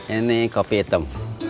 ini kopi hitam